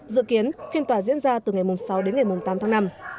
dự kiến phiên tòa diễn ra từ ngày sáu đến ngày tám tháng năm